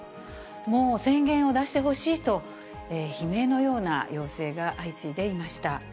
もう宣言を出してほしいと、悲鳴のような要請が相次いでいました。